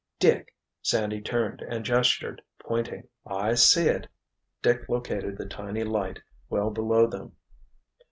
"Dick!" Sandy turned and gestured, pointing. "I see it!" Dick located the tiny light well below them.